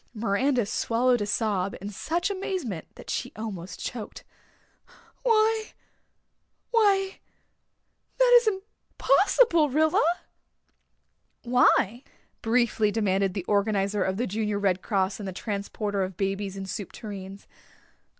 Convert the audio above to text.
Miranda swallowed a sob in such amazement that she almost choked. "Why why that is impossible, Rilla." "Why?" briefly demanded the organizer of the Junior Red Cross and the transporter of babies in soup tureens.